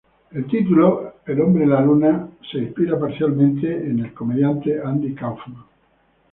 El título "Man on the Moon" se inspira parcialmente en el comediante Andy Kaufman.